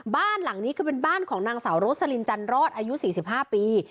บ้านหลังนี้คือเป็นบ้านของนางสาวโรสลินจันรอดอายุ๔๕ปี